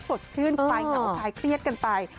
สดชื่นคล้ายเครียดกันไป